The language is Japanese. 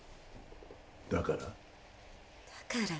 だから？